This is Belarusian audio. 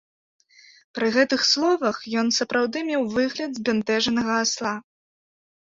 Пры гэтых словах ён сапраўды меў выгляд збянтэжанага асла.